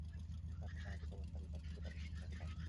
কিন্তু আর্থ -সামাজিক অবস্থার এই পার্থক্য তাদের শিক্ষার পথে আসেনি।